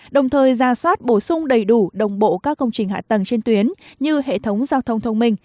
đồng thời ra soát bổ sung đầy đủ đồng bộ các công trình hạ tầng trên tuyến như hệ thống giao thông thông minh